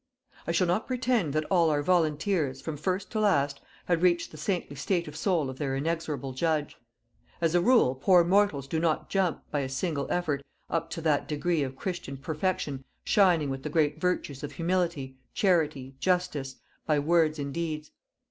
I shall not pretend that all our volunteers, from first to last, had reached the saintly state of soul of their inexorable judge. As a rule poor mortals do not jump, by a single effort, up to that degree of Christian perfection shining with the great virtues of humility, charity, justice by words and deeds.